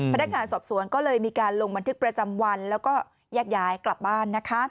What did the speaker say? พนักการษ์สอบสวนก็มีการลงบันทึกประจำวันแล้วก็ยากยายกลับมา